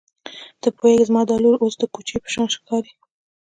ته پوهېږې زما دا لور اوس د کوچۍ په شان ښکاري.